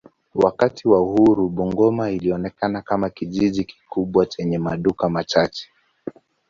Wakati wa uhuru Bungoma ilionekana kama kijiji kikubwa chenye maduka machache.